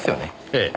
ええ。